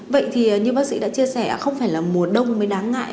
vậy thì như bác sĩ đã chia sẻ không phải là mùa đông mới đáng ngại